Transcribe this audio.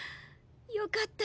よかった